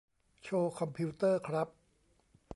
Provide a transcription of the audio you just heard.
โชว์คอมพิวเตอร์ครับ